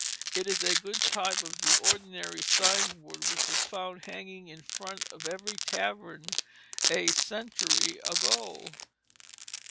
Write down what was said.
It is a good type of the ordinary sign board which was found hanging in front of every tavern a century ago.